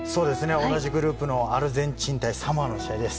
同じグループのアルゼンチン対サモアの試合です。